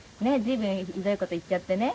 随分ひどい事言っちゃってね。